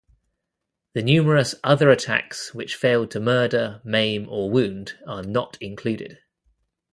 The numerous other attacks which failed to murder, maim, or wound are not included.